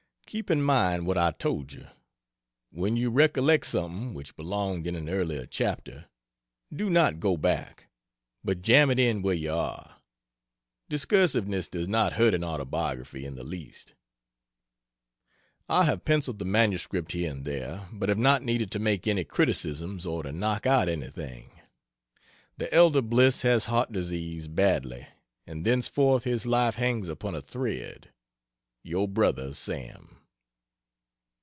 Keep in mind what I told you when you recollect something which belonged in an earlier chapter, do not go back, but jam it in where you are. Discursiveness does not hurt an autobiography in the least. I have penciled the MS here and there, but have not needed to make any criticisms or to knock out anything. The elder Bliss has heart disease badly, and thenceforth his life hangs upon a thread. Yr Bro SAM.